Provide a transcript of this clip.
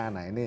nah ini juga